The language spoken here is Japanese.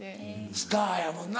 スターやもんな。